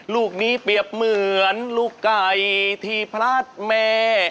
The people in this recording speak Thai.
ลูกนี้เปรียบเหมือนลูกไก่ที่พลาดแม่